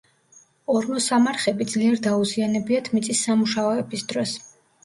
ორმოსამარხები ძლიერ დაუზიანებიათ მიწის სამუშაოების დროს.